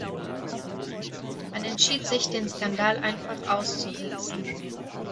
Man entschied sich, den Skandal einfach auszusitzen.